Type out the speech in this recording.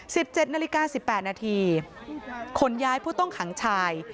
สิบเจ็ดนาฬิกาสิบแปดนาทีขนย้ายผู้ต้องขังชาย